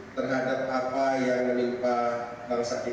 tidak ada lain yang tidak berhasil